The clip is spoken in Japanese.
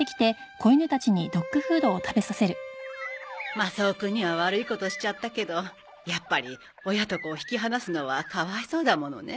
マサオくんには悪いことしちゃったけどやっぱり親と子を引き離すのはかわいそうだものね。